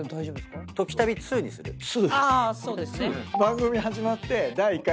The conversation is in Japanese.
そうですね。